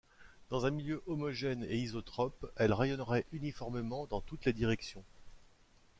Dans un milieu homogène et isotrope, elle rayonnerait uniformément dans toutes les directions.